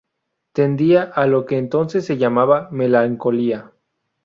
Tendía a lo que entonces se llamaba melancolía.